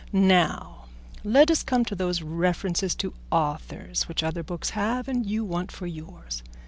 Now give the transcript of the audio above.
"Now let us come to those references to authors which other books have, and you want for yours.